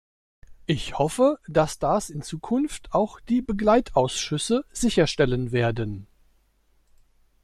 Ich hoffe, dass das in Zukunft auch die Begleitausschüsse sicherstellen werden.